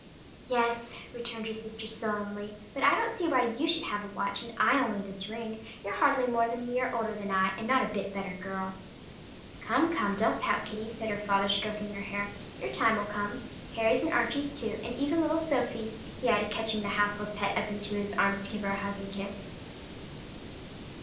"Yes," returned her sister sullenly; "but I don't see why you should have a watch and I only this ring; you're hardly more than a year older than I am and not a bit better girl" "Come, come, don't pout, Kitty," said her father, stroking her hair; "your time will come. Harry's and Archie's too, and even little Sophie's," he added, catching the household pet up in his arms, to give her a hug and kiss.